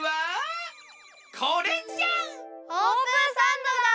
オープンサンドだ！